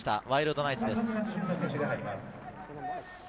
ワイルドナイツです。